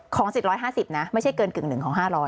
๗๕๐นะไม่ใช่เกินกึ่งหนึ่งของ๕๐๐